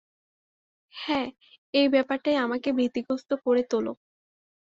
হ্যাঁ, এই ব্যাপারটাই আমাকে ভীতিগ্রস্ত করে তোলো।